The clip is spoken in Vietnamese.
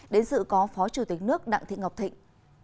đến dự có phó chủ tịch nước đặng thị ngọc thịnh